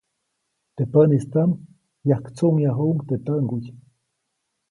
Teʼ päʼnistaʼm, yajktsuʼŋjayajuʼuŋ teʼ täʼŋguy.